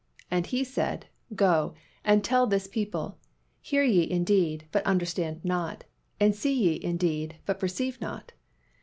And He said, Go, and tell this people, Hear ye indeed, but understand not; and see ye indeed, but perceive not.